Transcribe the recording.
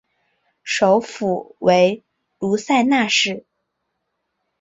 首府为卢塞纳市。